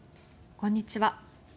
こんにちは。